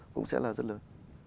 cũng sẽ là rất lớn